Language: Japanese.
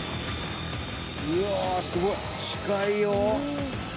「うわあすごい！近いよ」